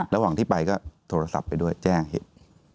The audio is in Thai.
ระหว่างที่ไปก็โทรศัพท์ไปด้วยแจ้งเหตุ